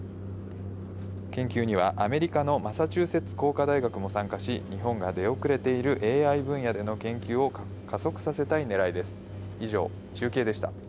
研究にはアメリカのマサチューセッツ工科大学も参加し、日本が出遅れているＡＩ分野での研究を加速させたいねらいです。